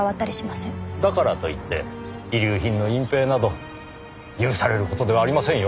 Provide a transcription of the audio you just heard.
だからといって遺留品の隠蔽など許される事ではありませんよ。